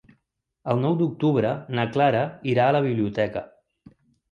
El nou d'octubre na Clara irà a la biblioteca.